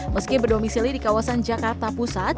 meski berdomisili di kawasan jakarta pusat